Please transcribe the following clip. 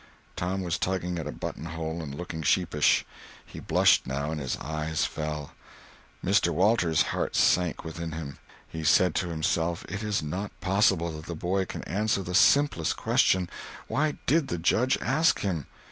Tom was tugging at a button hole and looking sheepish. He blushed, now, and his eyes fell. Mr. Walters' heart sank within him. He said to himself, it is not possible that the boy can answer the simplest question—why did the Judge ask him?